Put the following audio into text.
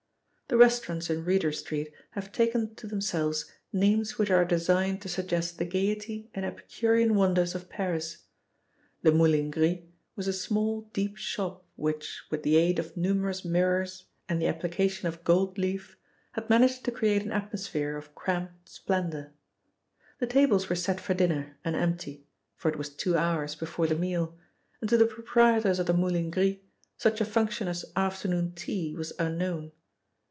The restaurants in Reeder Street have taken to themselves names which are designed to suggest the gaiety and epicurean wonders of Paris. The "Moulin Gris" was a small, deep shop which, with the aid of numerous mirrors and the application of gold leaf, had managed to create an atmosphere of cramped splendour. The tables were set for dinner and empty, for it was two hours before the meal, and to the proprietors of the "Moulin Gris" such a function as afternoon tea was unknown.